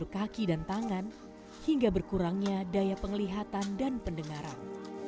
di otak saraf lemah di sekujur kaki dan tangan hingga berkurangnya daya penglihatan dan pendengaran